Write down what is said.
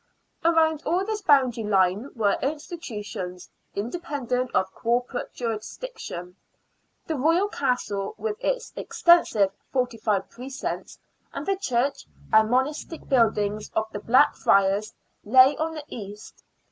Around all this boundary line were institutions, independent of corporate jurisdiction. The Royal Castle, with its extensive fortified precincts, and the church and monastic buildings^of the Black Friars, lay on the east.